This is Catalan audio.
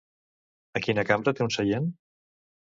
A quina cambra té un seient?